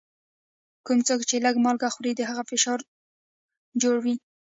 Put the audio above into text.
کوم څوک چي لږ مالګه خوري، د هغه فشار جوړ وي.